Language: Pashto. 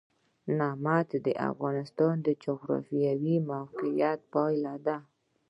نمک د افغانستان د جغرافیایي موقیعت پایله ده.